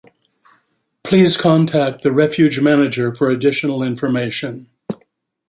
Please contact the Refuge Manager for additional information.